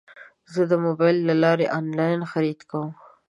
زه د موبایل له لارې انلاین خرید کوم.